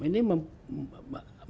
nah ini tiga tiga sistem ini